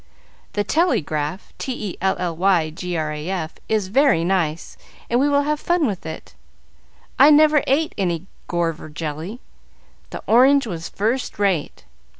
The telly graf is very nice and we will have fun with it. I never ate any gorver jelly. The orange was first rate.